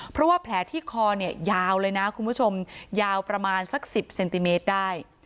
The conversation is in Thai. เพราะว่าแผลที่คอเนี่ยยาวเลยนะคุณผู้ชมยาวประมาณสัก๑๐เซนติเมตรได้